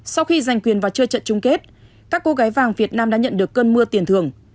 sau khi giành quyền vào chơi trận chung kết các cô gái vàng việt nam đã nhận được cơn mưa tiền thưởng